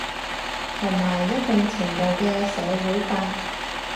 同埋一定程度嘅社會化